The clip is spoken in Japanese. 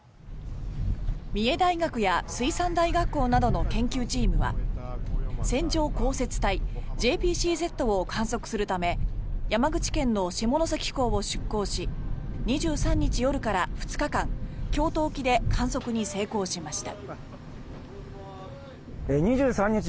三重大学や水産大学校などの研究チームは線状降雪帯・ＪＰＣＺを観測するため山口県の下関港を出港し２３日夜から２日間京都沖で観測に成功しました。